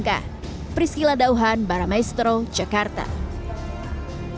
masih menunggu tanda tangan dari presiden untuk selanjutnya diundangkan